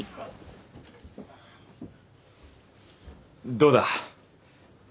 どうだ？